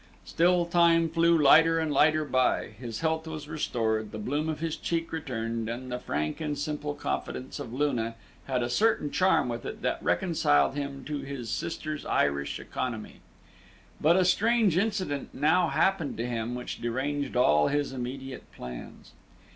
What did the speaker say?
Still, time flew lighter and lighter by, his health was restored, the bloom of his cheek returned, and the frank and simple confidence of Luna had a certain charm with it that reconciled him to his sister's Irish economy. But a strange incident now happened to him which deranged all his immediate plans.